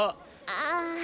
ああ。